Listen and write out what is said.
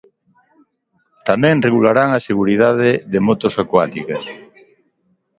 Tamén regularán a seguridade de motos acuáticas.